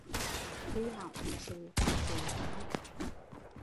Thi hỏng, sụ tóc sụ tai